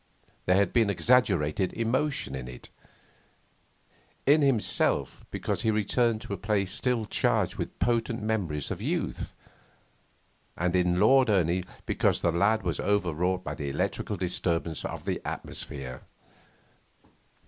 There had been exaggerated emotion in it: in himself, because he returned to a place still charged with potent memories of youth; and in Lord Ernie, because the lad was overwrought by the electrical disturbance of the atmosphere.